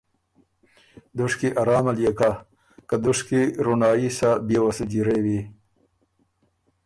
دُشکی ارام ال يې کَۀ، که دُشکی رونړايي سَۀ بيې وه سو جیرېوی۔